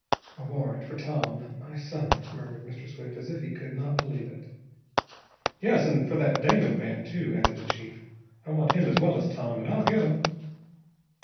"A warrant for Tom my son," murmured Mr. Swift, as if he could not believe it. "Yes, and for that Damon man, too," added the chief. "I want him as well as Tom, and I'll get 'em."